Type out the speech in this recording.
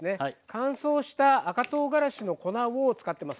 乾燥した赤とうがらしの粉を使ってます。